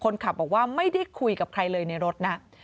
ขับบอกว่าไม่ได้คุยกับใครเลยในรถนะ